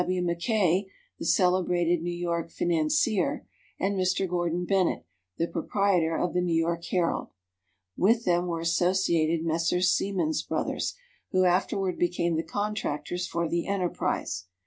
W. Mackay, the celebrated New York financier, and Mr. Gordon Bennett, the proprietor of the New York Herald; with them were associated Messrs. Siemens Brothers, who afterward became the contractors for the enterprise.